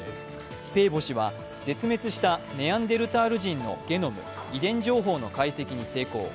ペーボ氏は絶滅したネアンデルタール人のゲノム、遺伝情報の解析に成功。